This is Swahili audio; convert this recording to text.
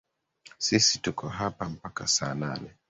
Sisi tuko hapa mpaka saa nane.